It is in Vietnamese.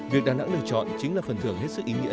việc đà nẵng được chọn chính là phần thưởng hết sức ý nghĩa